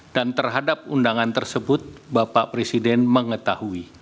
dan terhadap undangan tersebut bapak presiden mengetahui